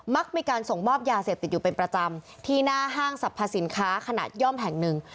มีการส่งมอบยาเสพติดอยู่เป็นประจำที่หน้าห้างสรรพสินค้าขนาดย่อมแห่งหนึ่ง